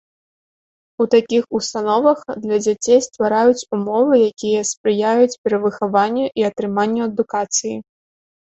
У такіх установах для дзяцей ствараюць умовы, якія спрыяюць перавыхаванню і атрыманню адукацыі.